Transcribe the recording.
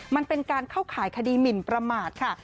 มันเป็นการเข้าข่ายคดีหมินประมาทค่ะ